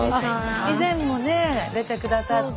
以前もね出て下さった。